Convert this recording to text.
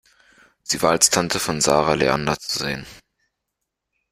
Sie war als Tante von Zarah Leander zu sehen.